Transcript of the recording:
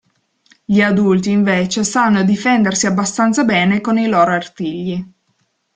Gli adulti, invece, sanno difendersi abbastanza bene con i loro artigli.